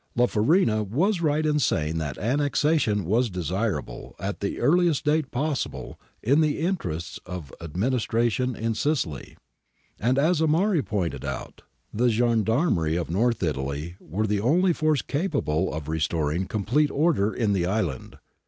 La Farina was right in saying that annexation was desirable at the earliest date possible in the interests of administra tion in Sicily, and, as Amari pointed out, the gendarmerie of North Italy were the only force capable of restoring complete order in the island.